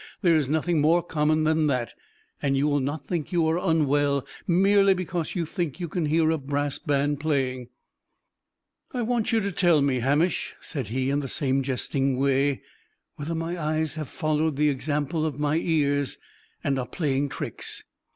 There is nothing more common than that. And you will not think you are unwell merely because you think you can hear a brass band playing!" "I want you to tell me, Hamish," said he, in the same jesting way, "whether my eyes have followed the example of my ears, and are playing tricks.